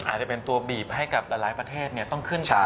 อาจจะเป็นตัวบีบให้กับหลายประเทศต้องขึ้น